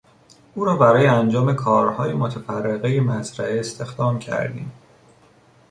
او را برای انجام کارهای متفرقهی مزرعه استخدام کردیم.